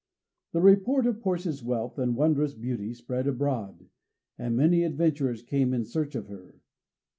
The report of Portia's wealth and wondrous beauty spread abroad, and many adventurers came in search of her.